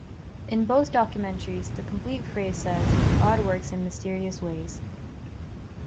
In both documentaries, the complete phrase says: "God works in mysterious ways”.